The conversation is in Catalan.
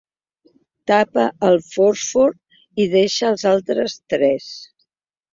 Tapa el fòsfor i deixa les altres tres.